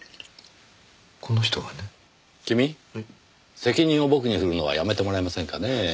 責任を僕に振るのはやめてもらえませんかねぇ。